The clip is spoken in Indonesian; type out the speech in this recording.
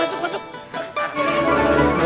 masuk masuk masuk